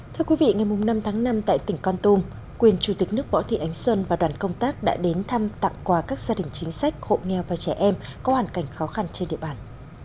thưa quý vị ngày năm tháng năm tại tỉnh con tum quyền chủ tịch nước võ thị ánh xuân và đoàn công tác đã đến thăm tặng quà các gia đình chính sách hộ nghèo và trẻ em có hoàn cảnh khó khăn trên địa bàn